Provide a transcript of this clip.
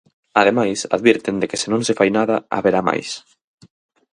Ademais, advirten de que se non se fai nada "haberá máis".